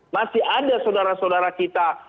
masih ada saudara saudara kita